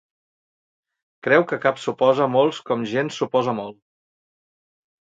Creu que cap s'oposa a molts com gens s'oposa a molt.